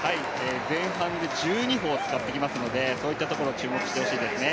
前半で１２歩を使ってきますので、そういったところを注目したいですね。